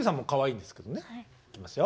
いきますよ。